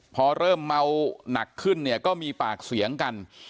พอเริ่มเมาหนักขึ้นเนี่ยก็มีปากเสียงกัน